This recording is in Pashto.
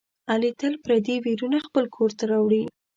علي تل پردي ویرونه خپل کورته راوړي.